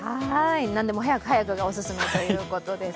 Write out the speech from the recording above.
なんでも早く早くがオススメということです。